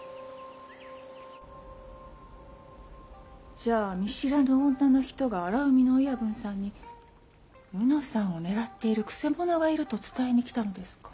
じゃあ見知らぬ女の人が荒海の親分さんに卯之さんを狙っている曲者がいると伝えに来たのですか？